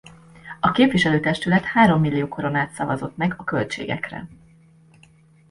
A képviselő-testület hárommillió koronát szavazott meg a költségekre.